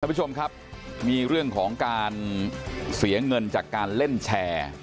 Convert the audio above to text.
ผู้ชมครับมีเรื่องของการเสียเงินจากการเล่นแชร์